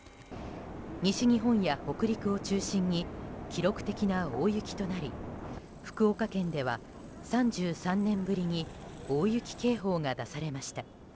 西日本や北陸を中心に記録的な大雪となり福岡県では、３３年ぶりに大雪警報が出されました。